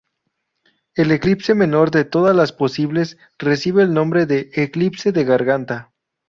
La elipse menor de todas las posibles recibe el nombre de elipse de garganta.